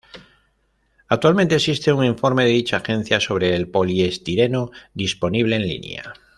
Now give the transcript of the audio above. Actualmente existe un informe de dicha agencia sobre el poliestireno disponible en línea.